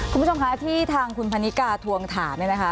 คุณผู้ชมคะที่ทางคุณพันนิกาทวงถามเนี่ยนะคะ